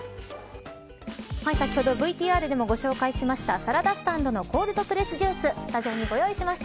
先ほどＶＴＲでもご紹介しましたＳＡＬＡＤＳＴＡＮＤのコールドプレスジューススタジオに、ご用意しました。